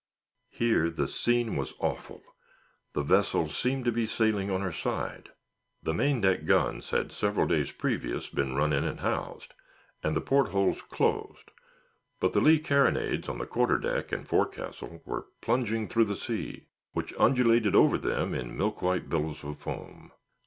Here the scene was awful. The vessel seemed to be sailing on her side. The main deck guns had several days previous been run in and housed, and the portholes closed, but the lee carronades on the quarter deck and forecastle were plunging through the sea, which undulated over them in milk white billows of foam.